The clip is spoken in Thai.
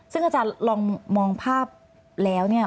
ซึ่งอาจารย์ลองมองภาพแล้วเนี่ย